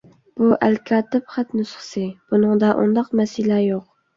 بۇ ئەلكاتىپ خەت نۇسخىسى، بۇنىڭدا ئۇنداق مەسىلە يوق.